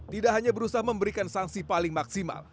tidak hanya berusaha memberikan sanksi paling maksimal